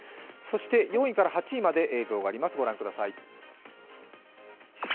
４位から８位まで、映像があります。